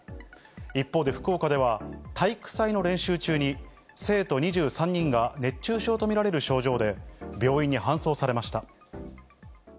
一方で福岡では、体育祭の練習中に、生徒２３人が熱中症と見られる症状で、病院に搬送されました。